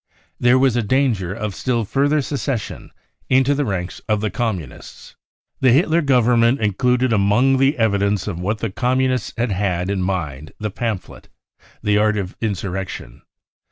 There was a danger of still further secession I into the ranks of the Communists. I The Hitler Government included among tho evidence of ? what the Communists had had in mind the pamphlet : The sirt of Insurrection.